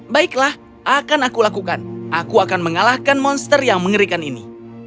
baiklah akan aku lakukan aku akan mengalahkan monster yang mengerikan ini